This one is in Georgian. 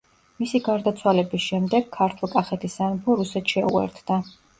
მისი გარდაცვალების შემდეგ ქართლ-კახეთის სამეფო რუსეთს შეუერთდა.